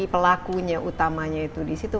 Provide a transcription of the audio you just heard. pelakunya utamanya itu disitu